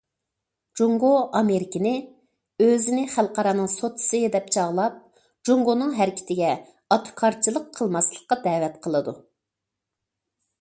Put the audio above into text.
جۇڭگو ئامېرىكىنى« ئۆزىنى خەلقئارانىڭ سوتچىسى» دەپ چاغلاپ، جۇڭگونىڭ ھەرىكىتىگە ئاتىكارچىلىق قىلماسلىققا دەۋەت قىلىدۇ.